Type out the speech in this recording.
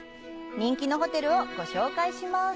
人気のホテルをご紹介します。